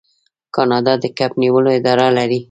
کاناډا د کب نیولو اداره لري.